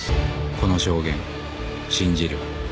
この証言信じる？